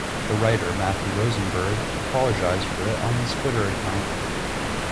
The writer Matthew Rosenberg apologized for it on his Twitter account.